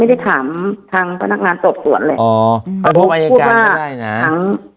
อันนี้ไม่ได้ถามทางพนักงานตรงส่วนเลยอ๋อพบอายการก็ได้น่ะ